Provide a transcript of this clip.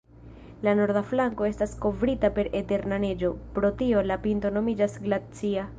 La norda flanko estas kovrita per eterna neĝo, pro tio la pinto nomiĝas glacia.